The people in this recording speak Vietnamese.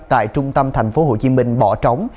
tại trung tâm tp hcm bỏ trống